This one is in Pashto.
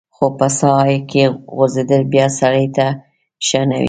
خو په څاه کې غورځېدل بیا سړی ته ښه نه وي.